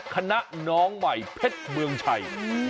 น้องใหม่เพชรเมืองชัย